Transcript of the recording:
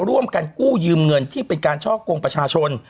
ร่วมกันกู้ยืมเงินที่เป็นการช่อกงประชาชน